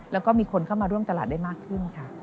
แล้วก็มีคนเข้ามาร่วมตลาดได้มากขึ้นค่ะ